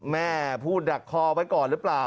แม่พูดดักคอไว้ก่อนหรือเปล่า